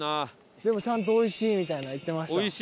でもちゃんと美味しいみたいな言ってました。